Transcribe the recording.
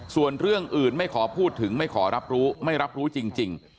ส่วนเรื่องอื่นไม่ขอพูดถึงไม่ขอรับรู้ไม่รับรู้จริง